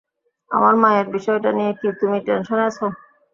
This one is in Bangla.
আমার মায়ের বিষয়টা নিয়ে কি তুমি টেনশনে আছো?